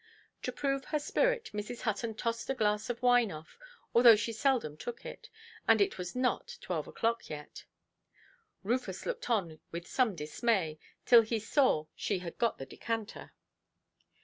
To prove her spirit, Mrs. Hutton tossed a glass of wine off, although she seldom took it, and it was not twelve oʼclock yet. Rufus looked on with some dismay, till he saw she had got the decanter.